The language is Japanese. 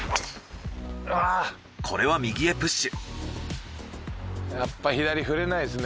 これは右へプッシュ。